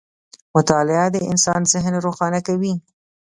• مطالعه د انسان ذهن روښانه کوي.